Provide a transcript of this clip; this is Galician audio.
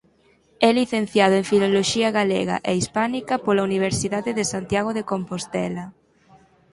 É licenciado en Filoloxía Galega e Hispánica pola Universidade de Santiago de Compostela.